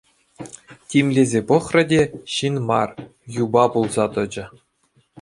Тимлесе пӑхрӗ те — ҫын мар, юпа пулса тӑчӗ.